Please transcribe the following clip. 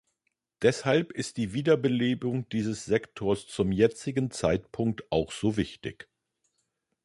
Deshalb ist die Wiederbelebung dieses Sektors zum jetzigen Zeitpunkt auch so wichtig.